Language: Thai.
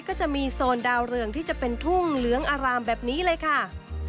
ก็จะมีโซนดาวเรืองที่จะเป็นทุ่งเหลืองอารามแบบนี้เลยค่ะ